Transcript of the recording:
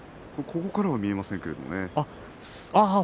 ここからは見えませんですけれどもね。